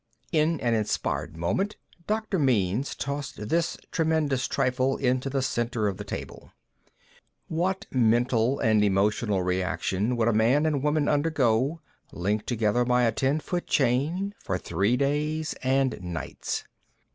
In an inspired moment, Dr. Means tossed this "tremendous trifle" into the center of the table: "What mental and emotional reaction would a man and a woman undergo, linked together by a ten foot chain, for three days and nights?"